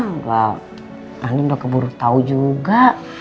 enggak andin udah keburu tahu juga